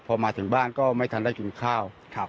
พอมาถึงบ้านก็ไม่ทันได้กินข้าว